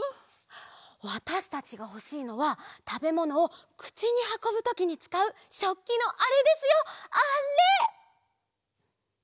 わたしたちがほしいのはたべものをくちにはこぶときにつかうしょっきのあれですよあれ！